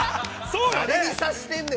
そうよね。